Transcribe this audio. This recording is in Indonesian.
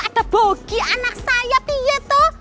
atau bogi anak saya piye tuh